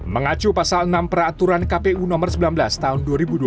mengacu pasal enam peraturan kpu nomor sembilan belas tahun dua ribu dua puluh